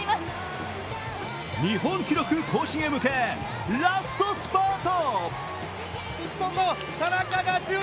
日本記録更新へ向け、ラストスパート！